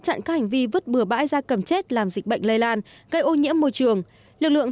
chặn các hành vi vứt bừa bãi ra cầm chết làm dịch bệnh lây lan gây ô nhiễm môi trường lực lượng